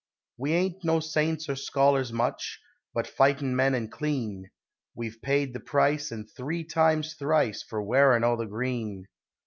We ain't no saints or scholars much, but fightin' men and clean, We've paid the price, and three times thrice for Wearin' o' the Green.